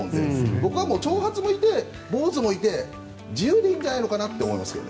僕は長髪もいて、坊主もいて自由でいいんじゃないかなと思いますね。